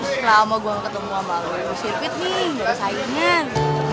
selama gue nggak ketemu sama lo sir fit nih nggak bisa ikut kan